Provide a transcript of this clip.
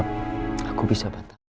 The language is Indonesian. udah aku pasti siap bangat penggantian